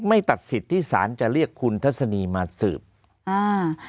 ไม่ตัดสิทธิ์ที่สารจะเรียกคุณทัศนีมาสืบอ่า